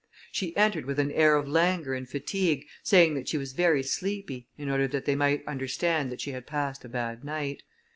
She entered with an air of languor and fatigue, saying that she was very sleepy, in order that they might understand that she had passed a bad night.